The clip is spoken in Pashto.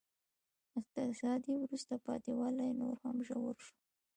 اقتصادي وروسته پاتې والی نور هم ژور شو.